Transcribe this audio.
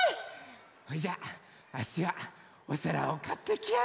それじゃああっしはおさらをかってきやす。